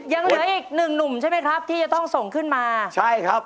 ยังเหลืออีกหนึ่งหนุ่มใช่ไหมครับที่จะต้องส่งขึ้นมาใช่ครับ